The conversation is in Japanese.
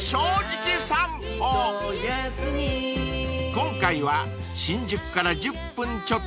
［今回は新宿から１０分ちょっと］